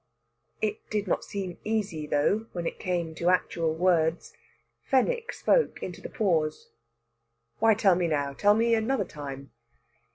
It did not seem easy, though, when it came to actual words. Fenwick spoke into the pause. "Why tell me now? Tell me another time."